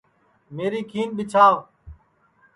میری کھیند ٻیچھاو